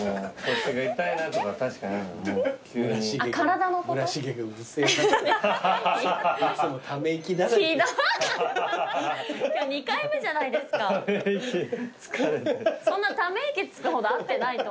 そんなため息つくほど会ってないと思う。